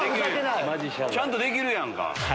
ちゃんとできるやんか。